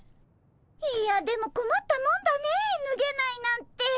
いやでもこまったもんだねえぬげないなんて。